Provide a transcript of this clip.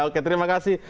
oke terima kasih